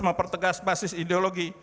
mempertegas basis ideologi